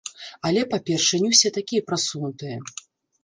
Але, па-першае, не ўсе такія прасунутыя.